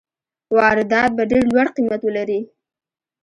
واردات به ډېر لوړ قیمت ولري.